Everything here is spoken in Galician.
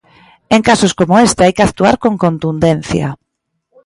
En casos como este hai que actuar con contundencia.